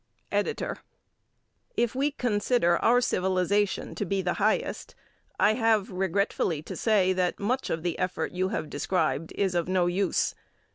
EDITOR: If we consider our civilization to be the highest, I have regretfully to say that much of the effort you have described is of no use.